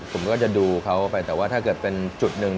ผมก็จะดูเขาไปแต่ว่าถ้าเกิดเป็นจุดหนึ่ง